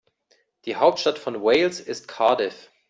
Die Hauptstadt von Wales ist Cardiff.